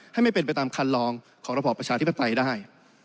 ไม่เป็นไปตามคันลองของระบอบประชาธิปไตยได้